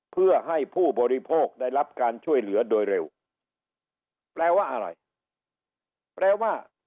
เพื่อให้ผู้บริโภคได้รับการช่วยเหลือโดยเร็วแปลว่าอะไรแปลว่า